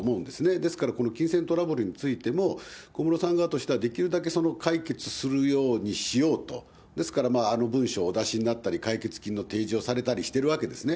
ですから、この金銭トラブルについても、小室さん側としては、できるだけ解決するようにしようと、ですから、あの文書をお出しになったり、解決金の提示をされたりしてるわけですね。